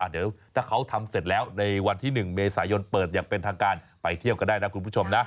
เดี๋ยวถ้าเขาทำเสร็จแล้วในวันที่๑เมษายนเปิดอย่างเป็นทางการไปเที่ยวกันได้นะคุณผู้ชมนะ